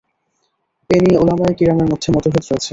এ নিয়ে উলামায়ে কিরামের মধ্যে মতভেদ রয়েছে।